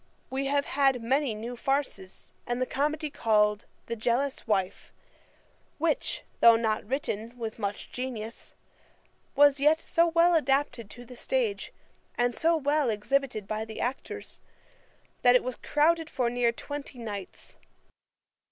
We have had many new farces, and the comedy called The Jealous Wife, which, though not written with much genius, was yet so well adapted to the stage, and so well exhibited by the actors, that it was crowded for near twenty nights.